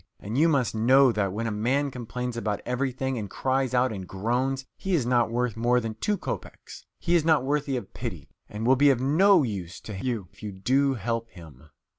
And you must know that when a man complains about everything, and cries out and groans he is not worth more than two kopeks, he is not worthy of pity, and will be of no use to you if you do help him."